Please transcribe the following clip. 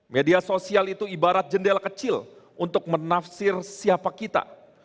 media sosial itu ibarat jendela kecil untuk menafsir siapa kita